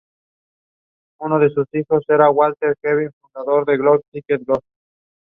He played varsity baseball in college.